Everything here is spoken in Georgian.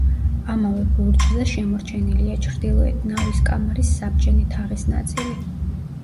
ამავე ბურჯზე შემორჩენილია ჩრდილოეთ ნავის კამარის საბჯენი თაღის ნაწილი.